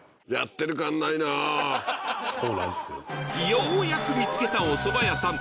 ようやく見つけたおそば屋さん